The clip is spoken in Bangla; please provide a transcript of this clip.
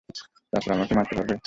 তারপরে আমাকে মারতে পারবে।